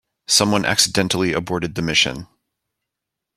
Someone accidentally aborted the mission.